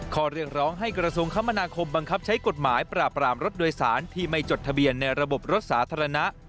ข้อเรียกร้องให้กระทรวงคมนาคมบังคับใช้กฎหมายปราบรามรถโดยสารที่ไม่จดทะเบียนในระบบรถสาธารณะ